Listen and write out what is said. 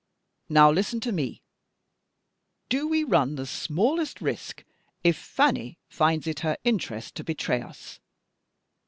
Now listen to me. Do we run the smallest risk, if Fanny finds it her interest to betray us?